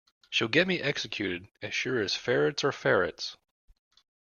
She’ll get me executed, as sure as ferrets are ferrets!